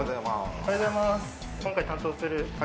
おはようございます。